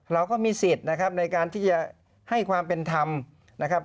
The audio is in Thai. เราก็มีสิทธิ์นะครับในการที่จะให้ความเป็นธรรมนะครับ